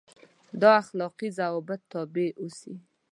دا اخلاقي ضوابطو تابع اوسي.